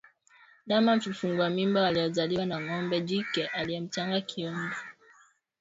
Ndama vifungua mimba waliozaliwa na ng'ombe jike aliye mchanga kiumri